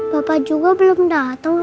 papa juga belum dateng oma